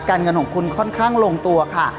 เงินของคุณค่อนข้างลงตัวค่ะ